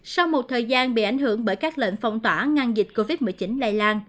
sau một thời gian bị ảnh hưởng bởi các lệnh phong tỏa ngăn dịch covid một mươi chín lây lan